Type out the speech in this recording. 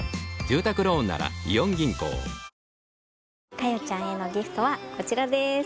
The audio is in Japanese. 佳代ちゃんへのギフトはこちらです。